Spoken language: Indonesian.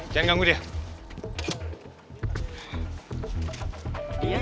kamu kenal gak